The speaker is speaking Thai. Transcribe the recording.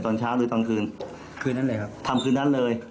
ตอนเช้าหรือตอนคืนคืนนั้นเลยครับทำคืนนั้นเลย